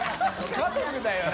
家族だよな。